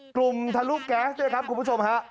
ทะลุแก๊สด้วยครับคุณผู้ชมฮะ